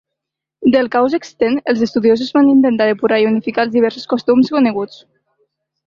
Del caos existent, els estudiosos van intentar depurar i unificar els diversos costums coneguts.